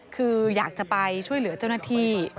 คืออยากจะไปช่วยเหลือเจ้าหน้าที่